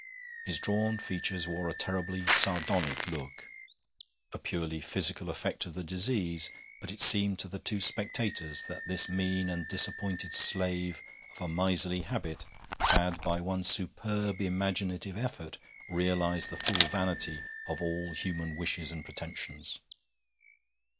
His drawn features wore a terribly sardonic look a purely physical effect of the disease; but it seemed to the two spectators that this mean and disappointed slave of a miserly habit had by one superb imaginative effort realized the full vanity of all human wishes and pretensions.